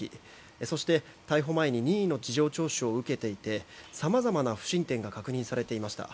そして、逮捕前に任意の事情聴取を受けていて様々な不審点が確認されていました。